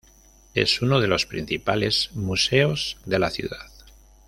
Es uno de los principales museos de la ciudad.